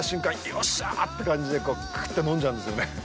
よっしゃーって感じでクーっと飲んじゃうんですよね。